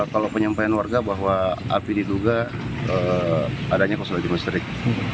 kalau penyampaian warga bahwa api diduga adanya kosong listrik